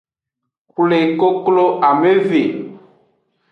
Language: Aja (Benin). Xwle koklo ameve.